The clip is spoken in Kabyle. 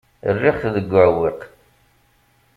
Rriɣ-t deg uɛewwiq.